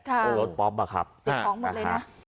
ครับสิบของหมดเลยนะครับอ่าฮะ